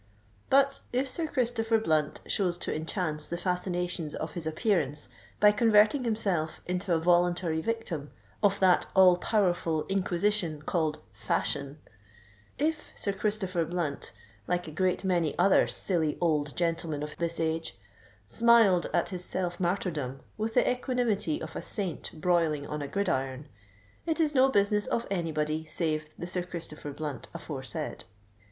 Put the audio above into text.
But if Sir Christopher Blunt chose to enhance the fascinations of his appearance by converting himself into a voluntary victim of that all powerful Inquisition called "Fashion,"—if Sir Christopher Blunt, like a great many other silly, old gentlemen of this age, smiled at his self martyrdom with the equanimity of a saint broiling on a gridiron,—it is no business of any body save the Sir Christopher Blunt aforesaid.